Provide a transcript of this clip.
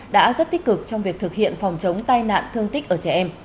đã rất tích cực trong việc thực hiện phòng chống tai nạn thương tích ở trẻ em